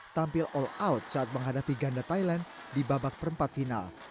tampil all out saat menghadapi ganda thailand di babak perempat final